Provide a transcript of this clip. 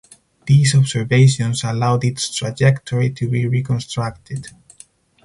These observations allowed its trajectory to be reconstructed.